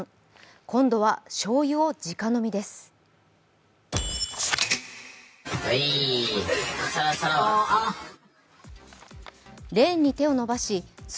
今度はしょうゆをじか飲みです。